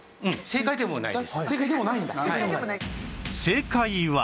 正解でもない。